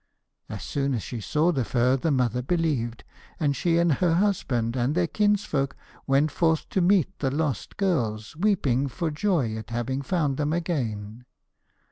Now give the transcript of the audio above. As soon as she saw the fur, the mother believed, and she and her husband and their kinsfolk went forth to meet the lost girls, weeping for joy at having found them again.